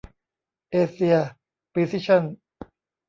เอเซีย พรีซิชั่น